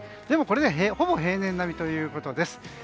でも、これでほぼ平年並みということです。